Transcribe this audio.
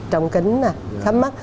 trọng kính khám mắt